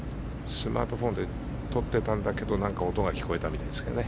スマートフォンで撮ってたんだけど何か音が聞こえたんですかね。